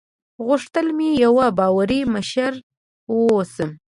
غوښتل مې یوه باوري مشره واوسم.